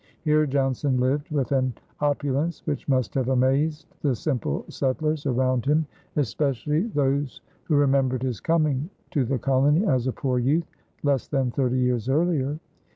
Here Johnson lived with an opulence which must have amazed the simple settlers around him, especially those who remembered his coming to the colony as a poor youth less than thirty years earlier.